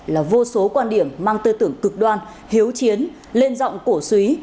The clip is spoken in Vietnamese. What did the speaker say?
là vô số quan điểm mang tư tưởng cực đoan hiếu chiến lên giọng cổ suý